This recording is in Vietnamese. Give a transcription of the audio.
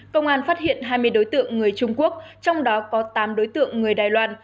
công an phát hiện hai mươi đối tượng người trung quốc trong đó có tám đối tượng người đài loan